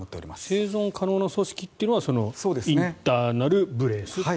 生存可能な組織というのはそのインターナル・ブレースという。